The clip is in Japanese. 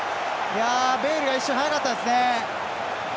ベイルが一瞬早かったですね。